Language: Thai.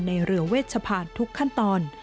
ในเรือเวชภานทุกขั้นตอน